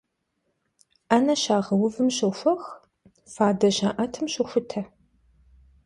Ӏэнэ щагъэувым щохуэх, фадэ щаӀэтым щохутэ.